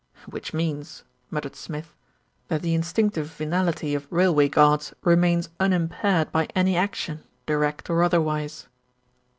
"Which means," muttered Smith, "that the instinc tive venality of railway guards remains unimpaired by any action, direct or otherwise."